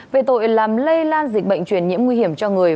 về tội làm lây lan dịch bệnh truyền nhiễm nguy hiểm cho người